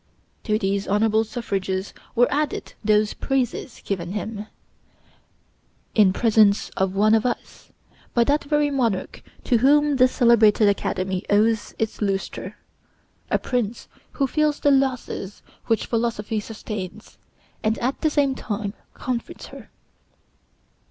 To these honorable suffrages were added those praises given him, in presence of one of us, by that very monarch to whom this celebrated Academy owes its lustre; a prince who feels the losses which Philosophy sustains, and at the same time comforts her.